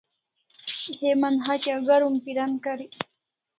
Heman hatya garum piran karik